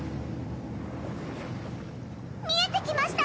見えてきました！